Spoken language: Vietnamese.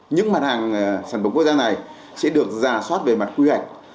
những mặt hàng sản phẩm quốc gia này sẽ được giả soát về mặt quy hoạch